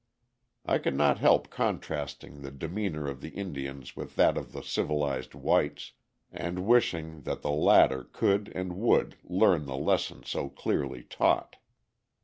I could not help contrasting the demeanor of the Indians with that of the civilized whites, and wishing that the latter could and would learn the lesson so clearly taught.